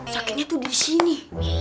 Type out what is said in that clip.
sakitnya tuh disini